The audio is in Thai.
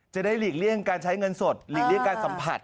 หลีกเลี่ยงการใช้เงินสดหลีกเลี่ยงการสัมผัส